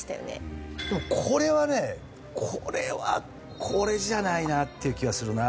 でもこれはねこれはこれじゃないなっていう気はするなあ。